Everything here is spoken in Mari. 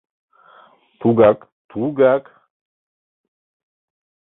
Тугак, тугак!